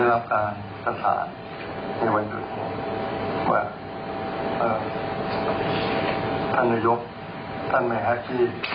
ว่าท่านหนุ่ยยกท่านไม่แฮกที่